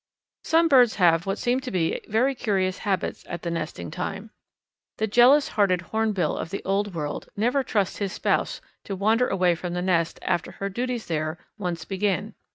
Some birds have what seem to be very curious habits at the nesting time. The jealous hearted Hornbill of the Old World never trusts his spouse to wander away from the nest after her duties there once begin.